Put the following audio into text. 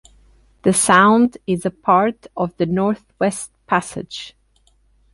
The sound is a part of the Northwest Passage.